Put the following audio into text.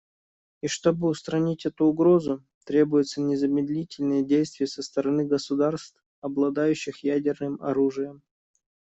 И чтобы устранить эту угрозу, требуются незамедлительные действия со стороны государств, обладающих ядерным оружием.